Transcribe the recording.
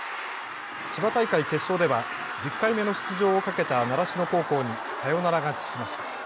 千葉大会決勝では１０回目の出場をかけた習志野高校にサヨナラ勝ちしました。